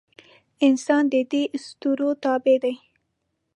انسان د دې اسطورو تابع دی.